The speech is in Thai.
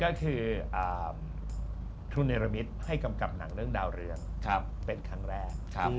ก็เริ่มต้นก็คือครูเนรมิตให้กำกับหนังเรื่องดาวเรืองเป็นครั้งแรก